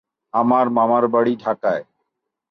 আমার মামার বাড়ি ঢাকায়।